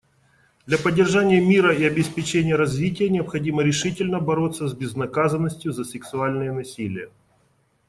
Для поддержания мира и обеспечения развития необходимо решительно бороться с безнаказанностью за сексуальное насилие.